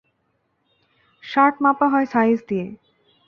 Shirt মাপা হয় size দিয়ে।